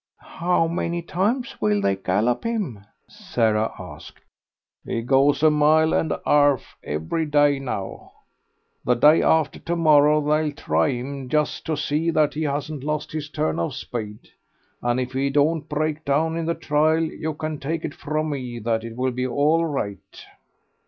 "How many times will they gallop him?" Sarah asked. "He goes a mile and a 'arf every day now.... The day after to morrow they'll try him, just to see that he hasn't lost his turn of speed, and if he don't break down in the trial you can take it from me that it will be all right."